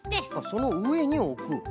そのうえにおく。